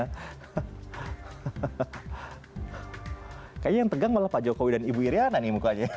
kayaknya yang tegang malah pak jokowi dan ibu iryana nih mukanya